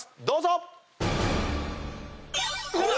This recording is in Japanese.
どうぞ！